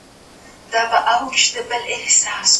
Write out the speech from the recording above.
په فتاوی بزازيه کي د ښځو د کار په اړه څه راغلي دي؟